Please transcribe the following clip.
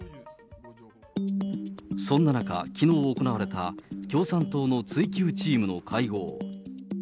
そんな中、きのう行われた共産党の追及チームの会合。